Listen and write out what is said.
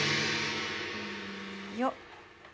よっ。